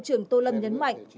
bộ trưởng tô lâm nhấn mạnh